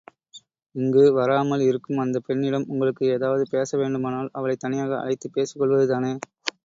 இங்கு வராமல் இருக்கும் அந்தப் பெண்ணிடம் உங்களுக்கு ஏதாவது பேச வேண்டுமானால் அவளைத் தனியாக அழைத்துப் பேசிக் கொள்வதுதானே?